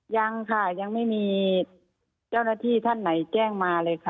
ยังค่ะยังไม่มีเจ้าหน้าที่ท่านไหนแจ้งมาเลยค่ะ